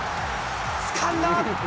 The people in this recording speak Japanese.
つかんだ。